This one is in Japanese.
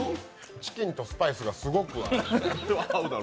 チキンとスパイスがすごく合う。